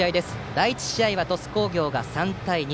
第１試合は、鳥栖工業が３対２。